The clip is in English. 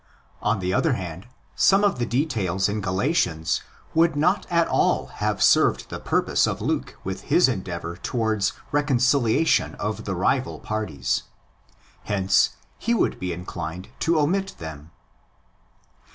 On the other hand, some of the details in Galatians would not at all have served the purpose of Luke with his endeavour towards reconciliation of the rival parties. Hence he would be inclined to omit them.?